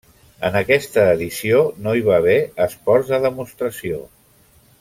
En aquesta edició no hi va haver esports de demostració.